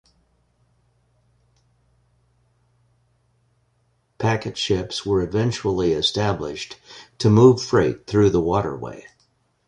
Packet ships were eventually established to move freight through the waterway.